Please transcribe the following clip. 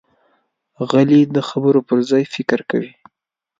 غلی، د خبرو پر ځای فکر کوي.